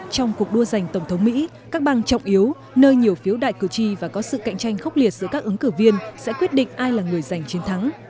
trong cuộc đua giành tổng thống mỹ các bang trọng yếu nơi nhiều phiếu đại cử tri và có sự cạnh tranh khốc liệt giữa các ứng cử viên sẽ quyết định ai là người giành chiến thắng